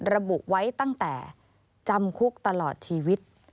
ระบุไว้ตั้งแต่จำคุกตลอดชีวิต